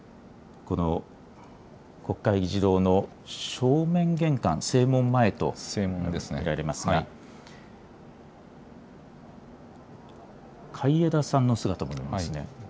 国会議事堂の正面玄関、正門前と見られますが海江田さんの姿も見られます。